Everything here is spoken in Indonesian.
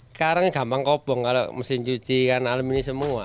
sekarang gampang kopong kalau mesin cuci kan almini semua